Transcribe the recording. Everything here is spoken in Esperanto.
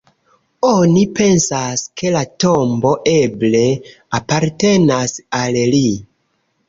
Oni pensas, ke la tombo eble apartenas al li.